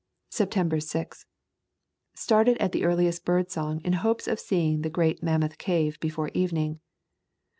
September 6. Started at the earliest bird song in hopes of seeing the great Mammoth Cave before evening.